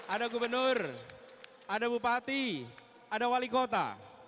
ada gubernur ada bupati ada wali kota